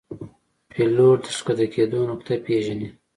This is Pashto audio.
پیلوټ د ښکته کېدو نقطه پیژني.